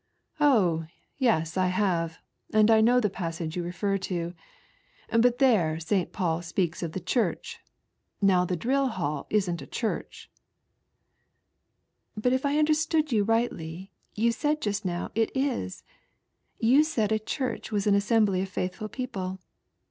" Oh, yes I have, and I know the passage you refer to. But there S, Paul speaks of the Church ; now the Drill Hall isn't a Church," "Biit if I understood you rightly, you said just novr it is. You said a Church was an aasemhly of faithful people.